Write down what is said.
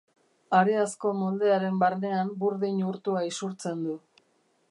Hareazko moldearen barnean burdin urtua isurtzen du.